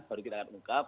baru kita akan ungkap